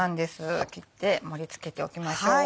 切って盛り付けておきましょう。